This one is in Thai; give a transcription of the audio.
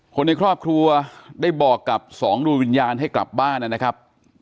คนในครอบครัวได้บอกกับสองดวงวิญญาณให้กลับบ้านนะครับ